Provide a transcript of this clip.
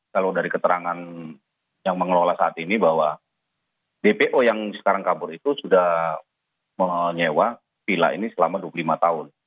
kalau dari keterangan yang mengelola saat ini bahwa dpo yang sekarang kabur itu sudah menyewa pila ini selama dua puluh lima tahun